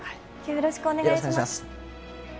よろしくお願いします。